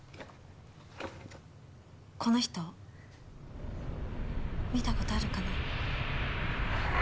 この人見た事あるかな？